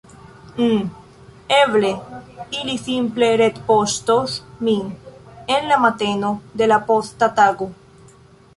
Mmm, eble ili simple retpoŝtos min en la mateno de la posta tago.